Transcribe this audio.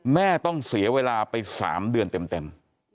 แม่ต้องเสียเวลาไป๓เดือนเต็ม